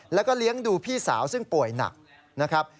แล้วก็เลี้ยงดูพี่สาวซึ่งป่วยหนักนะครับ